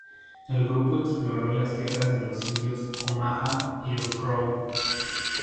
El grupo exploró las tierras de los indios Omaha y los Crow.